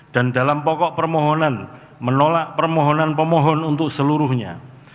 dan dalam pokok permohonan menolak permohonan pemohon untuk seluruhnya